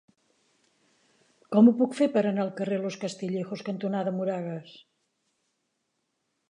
Com ho puc fer per anar al carrer Los Castillejos cantonada Moragas?